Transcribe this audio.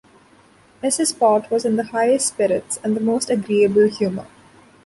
Mrs. Pott was in the highest spirits and the most agreeable humour.